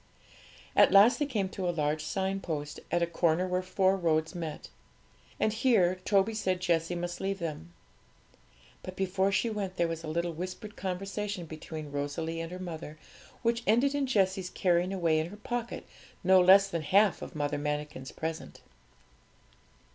At last they came to a large sign post, at a corner where four roads met; and here Toby said Jessie must leave them. But before she went there was a little whispered conversation between Rosalie and her mother, which ended in Jessie's carrying away in her pocket no less than half of Mother Manikin's present.